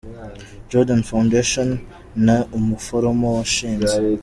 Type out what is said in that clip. Jordan Foundation; na, umuforomo washinze